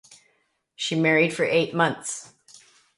She married for eight months.